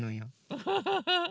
ウフフフ。